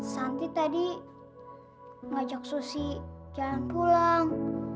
santi tadi ngajak susi jalan pulang